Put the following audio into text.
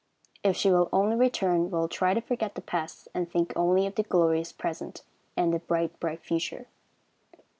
If she will only return, we will try to forget the past, and think only of the glorious present and the bright, bright future.